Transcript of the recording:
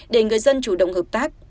để người dân chủ động hợp tác